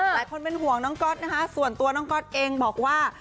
หลายคนเป็นห่วงน้องก๊อตนะคะส่วนตัวน้องก๊อตเองบอกว่า